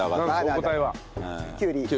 お答えは？